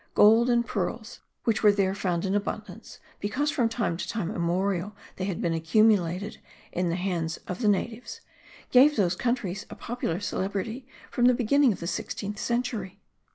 Gold and pearls, which were there found in abundance, because from time immemorial they had been accumulated in the hands of the natives, gave those countries a popular celebrity from the beginning of the sixteenth century.